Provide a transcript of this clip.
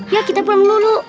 ya kita pulang dulu